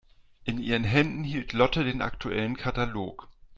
In ihren Händen hielt Lotte den aktuellen Katalog.